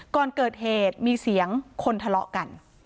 ก่อนเกิดเหตุมีเสียงคนทะเลาะกัน